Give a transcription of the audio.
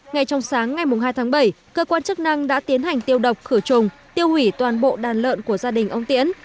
ngay trong sáng ngày hai tháng bảy cơ quan chức năng đã tiến hành tiêu độc khử trùng tiêu hủy toàn bộ đàn lợn của gia đình ông tiến